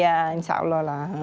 ya insya allah lah